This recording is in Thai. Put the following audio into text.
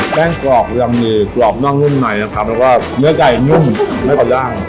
แป้งกรอบยังมีกรอบนอกนุ่มในนะครับแล้วก็เนื้อไก่นุ่มไม่ปะย่าง